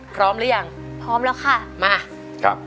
พร้อมหรือยังพร้อมแล้วค่ะมาครับ